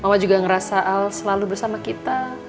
mama juga ngerasa al selalu bersama kita